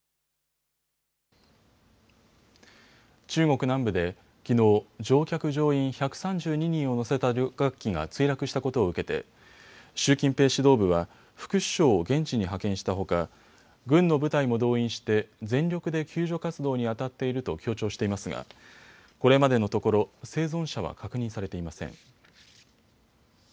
中国南部できのう、乗客乗員１３２人を乗せた旅客機が墜落したことを受けて習近平指導部は副首相を現地に派遣したほか軍の部隊も動員して全力で救助活動にあたっていると強調していますがこれまでのところ生存者は確認されていません。